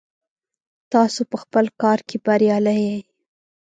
تاسو په خپل کار کې بریالي یئ.